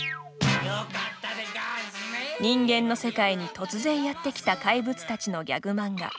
人間の世界に突然やってきた怪物たちのギャグ漫画